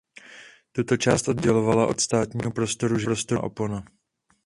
Tuto část oddělovala od ostatního prostoru železná opona.